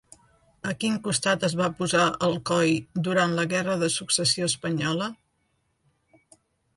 A quin costat es va posar Alcoi durant la guerra de Successió espanyola?